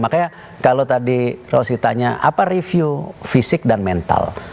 makanya kalau tadi rosi tanya apa review fisik dan mental